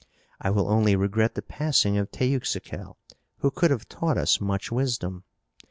I will only regret the passing of Teuxical, who could have taught us much wisdom.